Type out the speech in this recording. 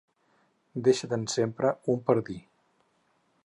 Deixa-te'n sempre una per dir.